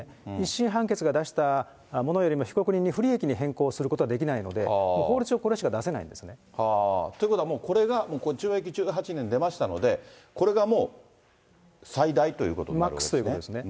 １審判決が出したものよりも、被告人に不利益に変更することはできないので、法律上、ということはこれが、懲役１８年出ましたので、これがもう最大ということになるわけですね。